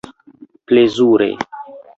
Plezure.